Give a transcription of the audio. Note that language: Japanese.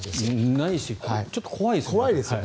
ないしちょっと怖いですよね。